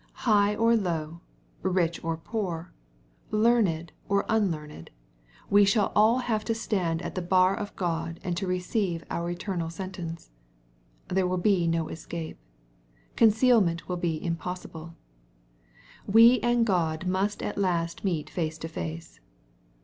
High or low, rich or i)oor, learned or unlearned, we shall all have to stand at the bar of God and to receive our eternal sentence. There will be no escape. Con cealment will be impossible. We and Grod must at last meet face to face.